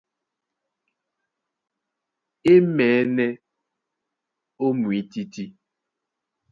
E maɛ̌nɛ́ ó mwǐtítí.